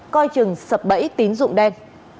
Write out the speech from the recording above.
coi chừng sập bẫy tín dụng đen